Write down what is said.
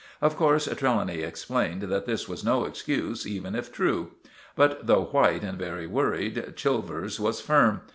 Of course Trelawny explained that this was no excuse, even if true. But though white and very worried, Chilvers was firm.